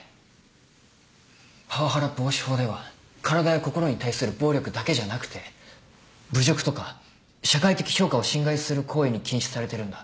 パワハラ防止法では体や心に対する暴力だけじゃなくて侮辱とか社会的評価を侵害する行為も禁止されてるんだ。